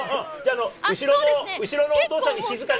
後ろのお父さんに静かに！